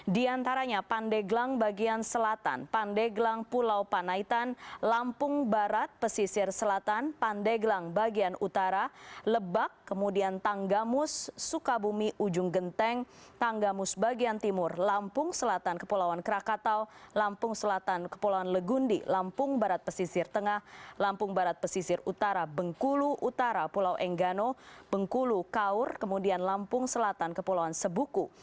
di antaranya pandeglang bagian selatan pandeglang pulau panaitan lampung barat pesisir selatan pandeglang bagian utara lebak kemudian tanggamus sukabumi ujung genteng tanggamus bagian timur lampung selatan kepulauan krakatau lampung selatan kepulauan legundi lampung barat pesisir tengah lampung barat pesisir utara bengkulu utara pulau enggano bengkulu kaur kemudian lampung selatan kepulauan sebuku